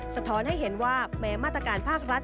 สะท้อนให้เห็นว่าแม้มาตรการภาครัฐ